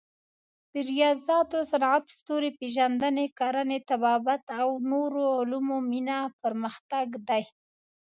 د ریاضیاتو، صنعت، ستوري پېژندنې، کرنې، طبابت او نورو علومو مینه پرمختګ دی.